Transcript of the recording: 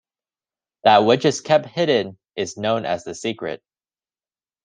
That which is kept hidden is known as the secret.